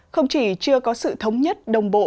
không chỉ chưa có sự thống nhất đồng bộ